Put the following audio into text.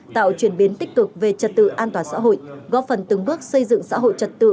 tạo chuyển biến tích cực về trật tự an toàn xã hội góp phần từng bước xây dựng xã hội trật tự